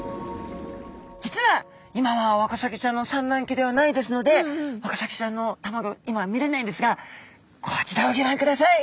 実は今はワカサギちゃんの産卵期ではないですのでワカサギちゃんのたまギョ今見れないんですがこちらをギョ覧ください。